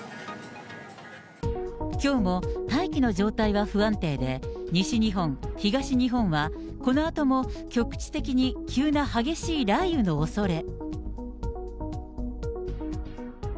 きょうも大気の状態が不安定で、西日本、東日本はこのあとも局地的に急な激しい雷雨のおそれ。